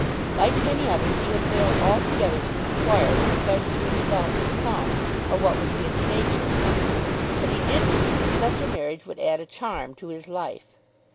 Like many others he had failed altogether to enquire when the pleasure to himself would come, or what would be its nature. But he did believe that such a marriage would add a charm to his life.